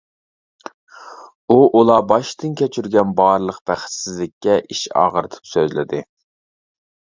ئۇ ئۇلار باشتىن كەچۈرگەن بارلىق بەختسىزلىككە ئىچ ئاغرىتىپ سۆزلىدى.